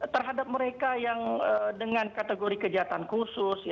terhadap mereka yang dengan kategori kejahatan khusus